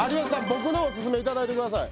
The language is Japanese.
僕のおすすめいただいてください